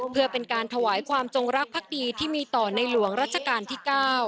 เพื่อเป็นการถวายความจงรักภักดีที่มีต่อในหลวงรัชกาลที่๙